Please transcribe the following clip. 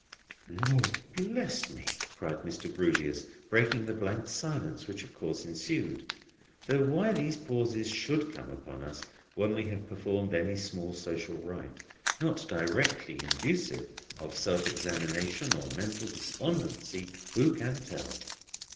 "Lord bless me," cried Mr. Grewgious, breaking the blank silence which of course ensued: though why these pauses should come upon us when we have performed any small social rite, not directly inducive of self examination or mental despondency, who can tell?